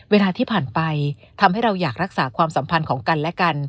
เวลาที่ผ่านไปทำให้เราอยากรักษาความสัมพันธ์ของกันและกัน